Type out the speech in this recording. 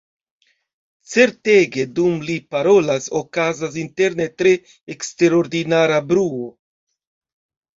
Certege, dum li parolas, okazas interne tre eksterordinara bruo.